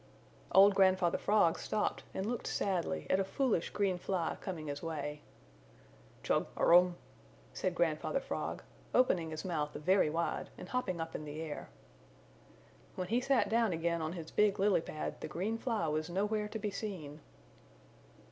Old Grandfather Frog stopped and looked sadly at a foolish green fly coming his way. "Chug arum," said Grandfather Frog, opening his mouth very wide and hopping up in the air. When he sat down again on his big lily pad the green fly was nowhere to be seen.